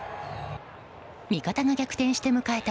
味方が逆転して迎えた